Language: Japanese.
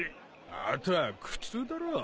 あとは苦痛だろ。